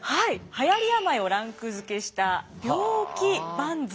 はやり病をランク付けした病気番付。